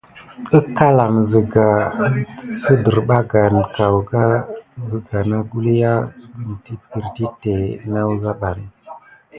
Ezla kulià siderbakane kekalan siga nakura dik piritite vis nawuzamban.